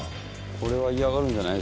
これは嫌がるんじゃないですか。